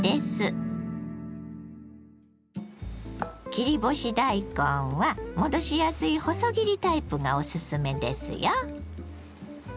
切り干し大根は戻しやすい細切りタイプがおすすめですよ。